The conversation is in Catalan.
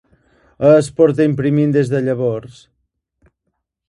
Es porta imprimint des de llavors.